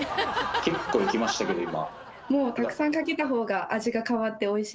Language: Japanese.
結構いきましたけど今。